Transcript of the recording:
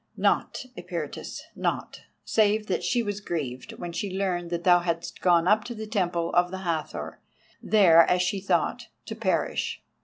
"Naught, Eperitus, naught, save that she was grieved when she learned that thou hadst gone up to the Temple of the Hathor, there, as she thought, to perish.